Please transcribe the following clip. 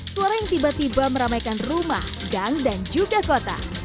suara yang tiba tiba meramaikan rumah gang dan juga kota